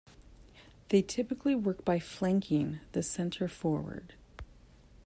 They typically work by flanking the centre forward.